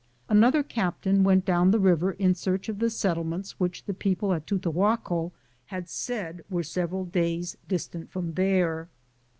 Another captain went down the river in: search of the settlements which the people 1 at Tutahaco had said were several days dis tant from there.